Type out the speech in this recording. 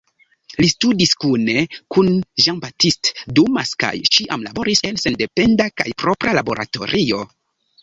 Li studis kune kun Jean-Baptiste Dumas kaj ĉiam laboris en sendependa kaj propra laboratorio.